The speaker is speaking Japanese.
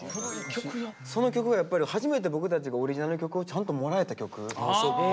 その曲がやっぱり初めて僕たちがオリジナルの曲をちゃんともらえた曲。